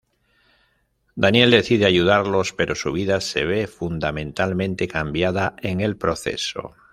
Daniel decide ayudarlos, pero su vida se ve fundamentalmente cambiada en el proceso.